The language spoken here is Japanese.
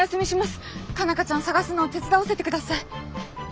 佳奈花ちゃん捜すのを手伝わせて下さい。